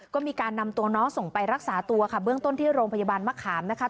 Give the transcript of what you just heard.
ก็มีการนำตัวน้องส่งไปรักษาตัวค่ะเบื้องต้นที่โรงพยาบาลมะขามนะคะ